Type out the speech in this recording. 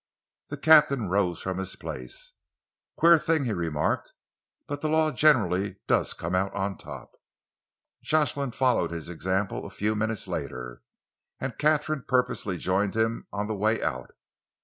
The captain rose from his place. "Queer thing," he remarked, "but the law generally does come out on top." Jocelyn followed his example a few minutes later, and Katharine purposely joined him on the way out.